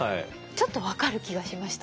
ちょっと分かる気がしました。